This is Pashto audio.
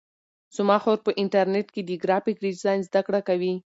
زما خور په انټرنیټ کې د گرافیک ډیزاین زده کړه کوي.